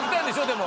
でも。